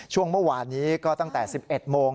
ช่วงเมื่อวานนี้ก็ตั้งแต่๑๑โมง